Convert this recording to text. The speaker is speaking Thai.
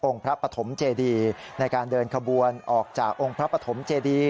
พระปฐมเจดีในการเดินขบวนออกจากองค์พระปฐมเจดี